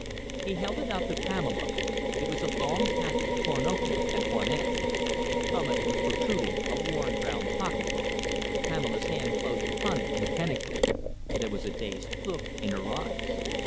He held it out to Pamela. It was a long packet torn open at one end. From it was protruding a worn, brown pocketbook. Pamela's hand closed upon it mechanically. There was a dazed look in her eyes.